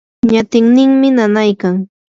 ñatinninmi nanaykan.